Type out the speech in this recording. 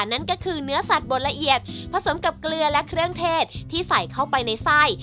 นั่นก็คือเนื้อสัตว์บดละเอียดผสมกับเกลือและเครื่องเทศที่ใส่เข้าไปในไส้